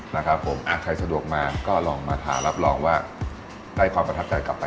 มาทามการถามก็ได้ความประทับใจแล้วก็ไป